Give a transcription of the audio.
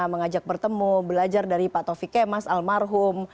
mengajak bertemu belajar dari pak tovike mas almarhum